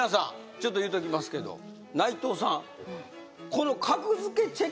ちょっと言うときますけど内藤さん